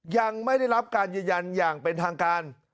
ยังไม่ได้รับการยืนยันอย่างเป็นทางการ